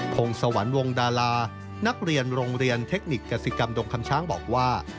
พงศวรรควงดารานักเรียนโรงเรียนเทคนิคกษิกรรมดงคำช้างบอกว่า